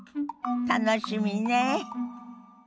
楽しみねえ。